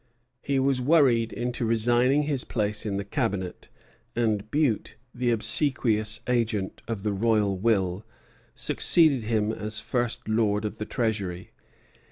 He was worried into resigning his place in the Cabinet, and Bute, the obsequious agent of the royal will, succeeded him as First Lord of the Treasury.